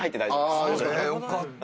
よかった。